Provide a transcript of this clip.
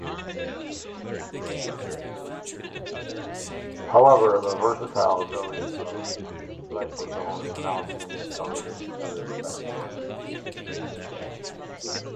However, the versatile abilities of liposomes are now being discovered in other settings.